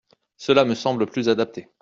Cela me semble plus adapté.